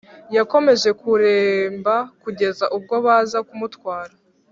Yakomeje kuremba kugeza ubwo baza kumutwara